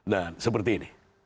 nah seperti ini